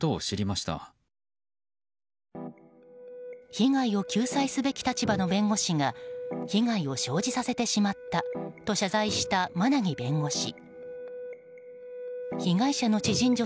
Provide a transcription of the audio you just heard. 被害を救済すべき立場の弁護士が被害を生じさせてしまったと謝罪した馬奈木弁護士。